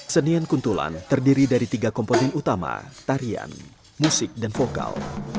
senian kuntulan terdiri dari tiga komponen utama tarian musik dan vokal